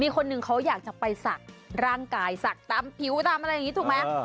การจะไปสักร่างกายสักตามผิวตามอะไรอย่างนี้ถูกไหม